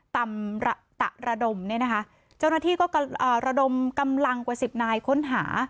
ตำระตะระดมเนี่ยนะคะเจ้าหน้าที่ก็ระดมกำลังกว่าสิบนายค้นหา